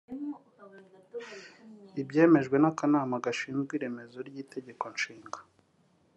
Ibyemejwe n’Akanama gashinzwe iremezo ry’Itegeko nshinga